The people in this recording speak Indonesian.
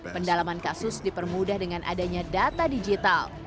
pendalaman kasus dipermudah dengan adanya data digital